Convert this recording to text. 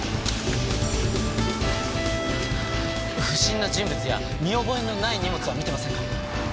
不審な人物や見覚えのない荷物は見てませんか？